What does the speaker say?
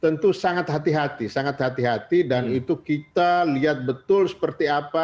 tentu sangat hati hati sangat hati hati dan itu kita lihat betul seperti apa